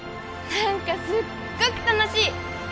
なんかすっごく楽しい！